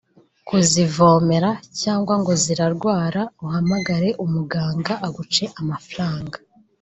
kuzivomera cyangwa ngo zirarwara uhamagare muganga aguce amafaranga